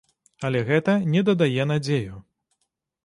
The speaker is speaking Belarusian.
Але гэта не дадае надзею.